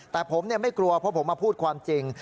แต่ผมไม่กลัวเพราะผมมาพูดความจริง